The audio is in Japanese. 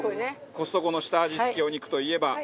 コストコの下味付きお肉といえばプルコギ。